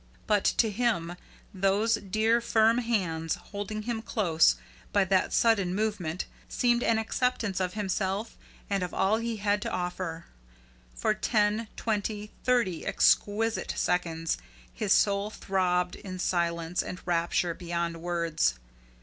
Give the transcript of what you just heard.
But, to him, those dear firm hands holding him close, by that sudden movement, seemed an acceptance of himself and of all he had to offer. For ten, twenty, thirty exquisite seconds, his soul throbbed in silence and rapture beyond words.